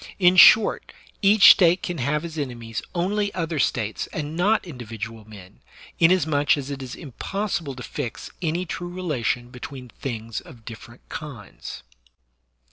In short, each State can have as enemies only other States and not individual men, inasmuch as it is impossible to fix any true relation between things of different kinds.